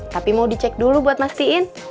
tapi mau dicek dulu buat masin